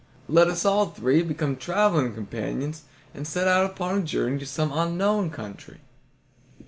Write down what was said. Let us all three become traveling companions and set out upon a journey to some unknown country."